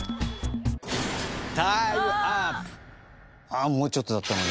ああもうちょっとだったのに。